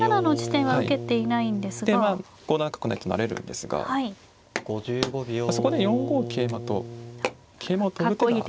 まあ５七角成と成れるんですがそこで４五桂馬と桂馬を跳ぶ手が。